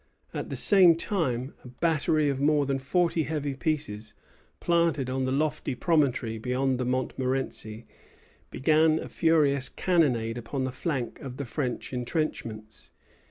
At the same time a battery of more than forty heavy pieces, planted on the lofty promontory beyond the Montmorenci, began a furious cannonade upon the flank of the French intrenchments.